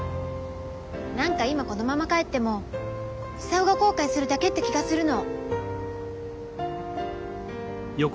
何か今このまま帰っても久男が後悔するだけって気がするの。